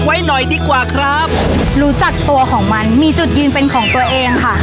ไว้หน่อยดีกว่าครับรู้จักตัวของมันมีจุดยืนเป็นของตัวเองค่ะ